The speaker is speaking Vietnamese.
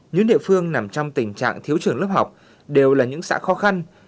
những địa phương nằm trong tình trạng thiếu trường lớp học đều là những xã khó khăn